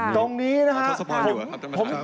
ตรงนี้นะครับ